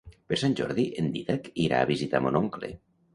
Per Sant Jordi en Dídac irà a visitar mon oncle.